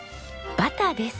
バターです。